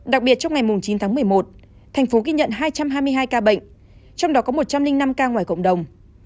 đặc biệt trong ngày chín tháng một mươi một thành phố ghi nhận hai trăm hai mươi hai ca bệnh trong đó có một trăm linh năm ca ngoài cộng đồng